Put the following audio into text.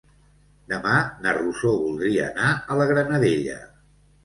Demà na Rosó voldria anar a la Granadella.